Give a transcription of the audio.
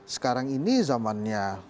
sekarang ini zamannya